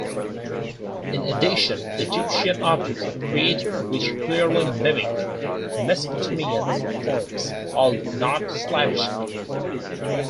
In addition, Egyptian objects are created which clearly mimic Mesopotamian forms, although not slavishly.